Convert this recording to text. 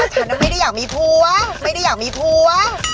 ฉันไม่ได้อยากมีผู้อะไม่ได้อยากมีผู้อะ